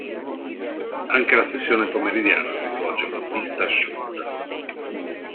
Anche la sessione pomeridiana si svolge con pista asciutta.